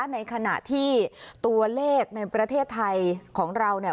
ในขณะที่ตัวเลขในประเทศไทยของเราเนี่ย